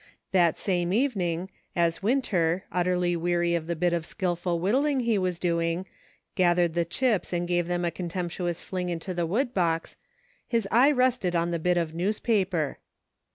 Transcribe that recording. That same evening, as Winter, utterly weary of the bit of skillful whittling he was doing, gathered the chips and gave them a contemptuous fling into the wood box, his eye rested on the bit of newspaper.